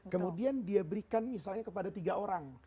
kemudian dia berikan misalnya kepada tiga orang